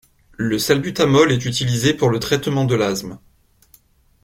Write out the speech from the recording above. Le salbutamol est utilisé pour le traitement de l'asthme.